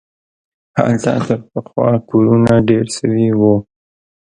هلته تر پخوا کورونه ډېر سوي وو.